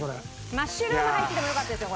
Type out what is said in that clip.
マッシュルーム入っててもよかったですよ